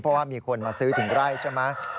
เพราะว่ามีคนมาซื้อที่ใดใช่ไหม